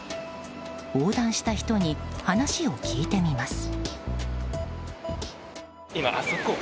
横断した人に話を聞いてみます。